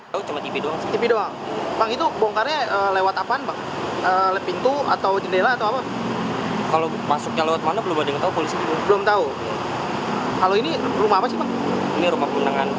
tapi kalau untuk cctv ada nggak sih pak